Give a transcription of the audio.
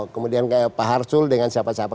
kemudian pak harsul dengan siapa siapa